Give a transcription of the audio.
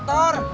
itu nggak betul